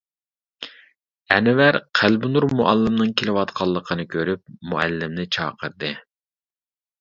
ئەنۋەر قەلبىنۇر مۇئەللىمنىڭ كېلىۋاتقانلىقىنى كۆرۈپ، مۇئەللىمنى چاقىردى.